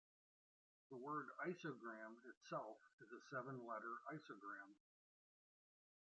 The word "isogram" itself is a seven-letter isogram.